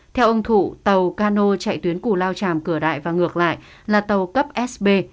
theo ông thủ tàu cano chạy tuyến cù lao tràm cửa đại và ngược lại là tàu cấp sb